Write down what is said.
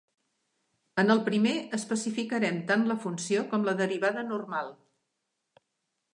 En el primer, especificarem tant la funció com la derivada normal.